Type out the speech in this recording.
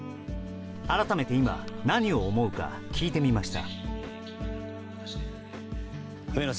改めて今、何を思うか聞いてみました。